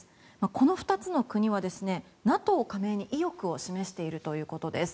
この２つの国はＮＡＴＯ加盟に意欲を示しているということです。